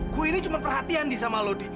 gue ini cuma perhatian di sama lo di